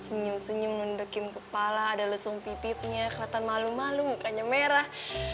senyum senyum mendekin kepala ada lesung pipitnya keliatan malu malu mukanya merah